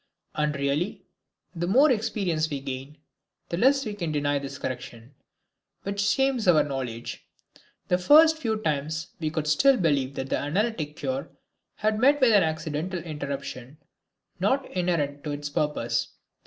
And really, the more experience we gain, the less we can deny this correction, which shames our knowledge. The first few times we could still believe that the analytic cure had met with an accidental interruption, not inherent to its purpose.